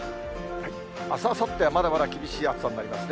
あす、あさってはまだまだ厳しい暑さになりますね。